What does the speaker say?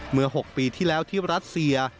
เมื่อ๖ปีที่แล้วที่รัสเซีย